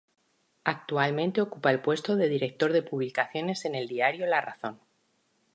Actualmente ocupa el puesto de director de publicaciones en el diario La Razón.